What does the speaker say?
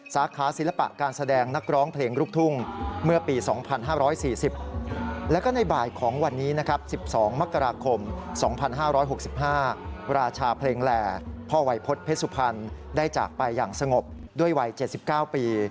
แต่พ่อวัยพจน์เพชรสุพรรณได้จากไปอย่างสงบด้วยวัย๗๙ปี